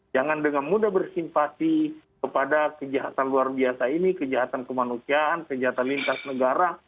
jangan dengan mudah bersimpati kepada kejahatan luar biasa ini kejahatan kemanusiaan kejahatan lintas negara